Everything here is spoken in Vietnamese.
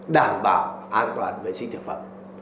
đảm bảo an toàn vệ sinh thực phẩm